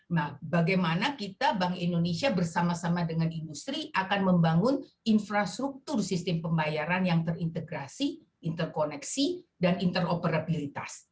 nah bagaimana kita bank indonesia bersama sama dengan industri akan membangun infrastruktur sistem pembayaran yang terintegrasi interkoneksi dan interoperabilitas